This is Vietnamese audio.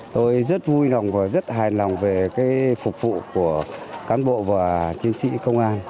tôi rất vui lòng và rất hài lòng về phục vụ của cán bộ và chiến sĩ công an